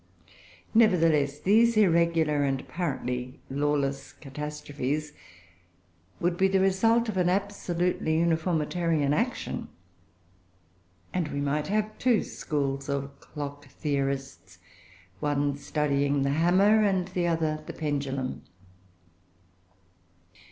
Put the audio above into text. Nevertheless, all these irregular, and apparently lawless, catastrophes would be the result of an absolutely uniformitarian action; and we might have two schools of clock theorists, one studying the hammer and the other the pendulum.